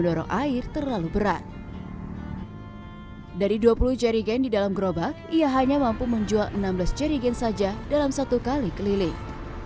dari dua puluh jerry gen di dalam gerobak ia hanya mampu menjual enam belas jerrygen saja dalam satu kali keliling